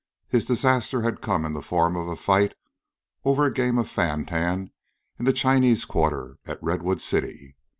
His disaster had come in the form of a fight over a game of fan tan in the Chinese quarter at Redwood City.